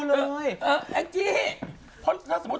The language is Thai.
กินทำกี่รายการ